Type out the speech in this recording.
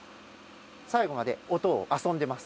最後まで音を遊んでいます。